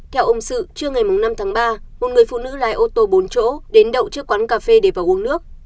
theo ông sự trưa ngày năm tháng ba một người phụ nữ lái ô tô bốn chỗ đến đậu trước quán cà phê để vào uống nước